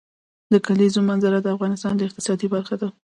د کلیزو منظره د افغانستان د اقتصاد برخه ده.